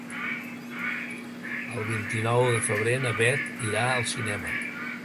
El vint-i-nou de febrer na Bet irà al cinema.